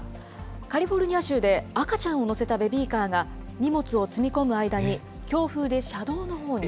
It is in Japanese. カリフォルニア州で赤ちゃんを乗せたベビーカーが、荷物を積み込む間に、強風で車道のほうに。